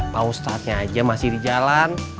pak ustadznya aja masih di jalan